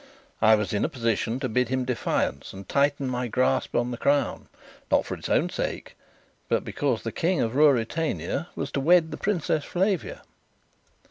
I was in a position to bid him defiance and tighten my grasp on the crown not for its own sake, but because the King of Ruritania was to wed the Princess Flavia.